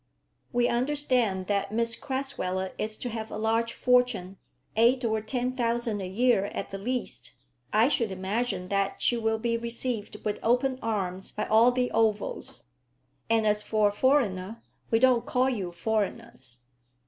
"We understand that Miss Crasweller is to have a large fortune; eight or ten thousand a year at the least. I should imagine that she will be received with open arms by all the Ovals; and as for a foreigner, we don't call you foreigners."